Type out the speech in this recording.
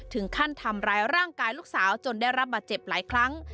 ถึงขั้นทำร้ายร่างกายลูกสาวจนได้รับบาดเจ็บหลายครั้ง